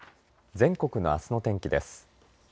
全国のあすの天気です。